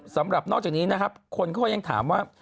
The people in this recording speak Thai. สำหรับนอกจากนี้นะครับคนก็ยังถามว่า